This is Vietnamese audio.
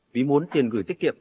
vì muốn tiền gửi tiết kiệm